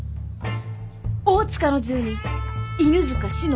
大塚の住人犬塚信乃